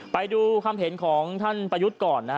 ไปดูความเห็นของท่านประยุทธ์ก่อนนะฮะ